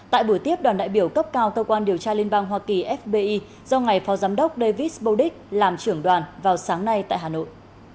tại buổi tiếp đoàn đại biểu cấp cao cơ quan điều tra liên bang hoa kỳ fbi do ngài phó giám đốc davis bodic làm trưởng đoàn vào sáng nay tại hà nội